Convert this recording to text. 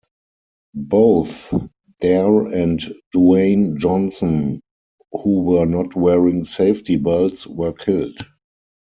Both Darr and Duane Johnson, who were not wearing safety belts, were killed.